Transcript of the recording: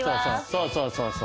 そうそうそうそう。